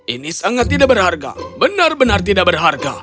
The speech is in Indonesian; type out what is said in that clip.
ini sangat tidak berharga benar benar tidak berharga